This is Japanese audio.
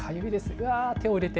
うわー、手を入れて。